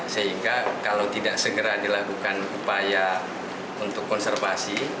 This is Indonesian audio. sehingga kalau tidak segera dilakukan upaya untuk konservasi